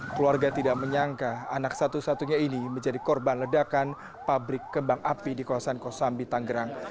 keluarga tidak menyangka anak satu satunya ini menjadi korban ledakan pabrik kembang api di kawasan kosambi tanggerang